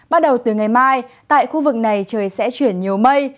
bắt đầu từ ngày mai tại khu vực này trời sẽ chuyển nhiều mây